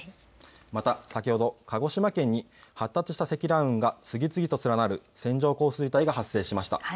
また先ほど鹿児島県に発達した積乱雲が次々と連なる線状降水帯が発生しました。